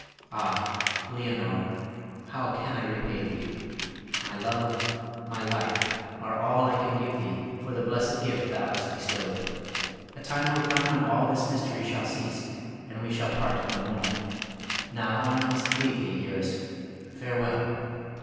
Ah, Leonore, how can I repay thee? My love, my life, are all I can give thee for the blessed gift thou hast bestowed. A time will come when all this mystery shall cease and we shall part no more. Now must I leave thee, dearest. Farewell!